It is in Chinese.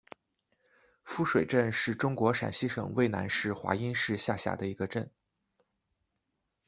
夫水镇是中国陕西省渭南市华阴市下辖的一个镇。